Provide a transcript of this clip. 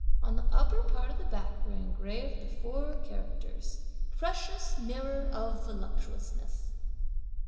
On the upper part of the back were engraved the four characters: "Precious Mirror of Voluptuousness."